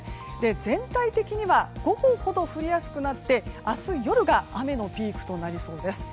全体的には午後ほど降りやすくなって明日夜が雨のピークとなりそうです。